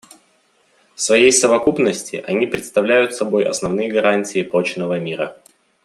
В своей совокупности они представляют собой основные гарантии прочного мира.